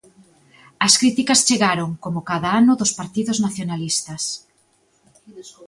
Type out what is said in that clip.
As críticas chegaron, como cada ano dos partidos nacionalistas.